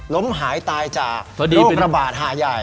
ล้มหายตายจากโรคระบาดหายใหญ่